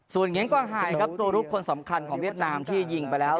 ส่วนเหงียงกวางหายครับตัวลุกคนสำคัญของเวียดนามที่ยิงไปแล้ว